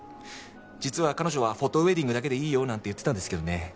実は彼女は「フォトウエディングだけでいいよ」なんて言ってたんですけどね